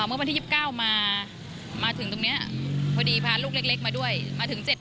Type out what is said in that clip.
เมื่อวันที่เยี่ยมก้าวมาถึงและพอดีภาพลาร็ีบมาด้วยและถึงเจ็บ